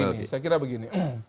saya kira begini saya kira begini